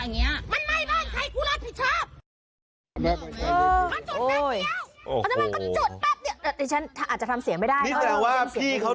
อย่างเงี้ยมันไม่มาเอาก็อาจจะทำเสียงไม่ได้แต่ว่าพี่เขา